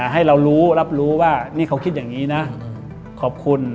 ให้เรารับรู้ว่าเค้าคิดอย่างนี้นะขอบคุณ